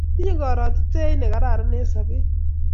tinyei karotitei ne kararn eng' sobet